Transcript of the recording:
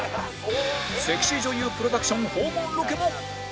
セクシー女優プロダクション訪問ロケも